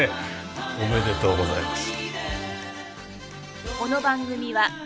おめでとうございます。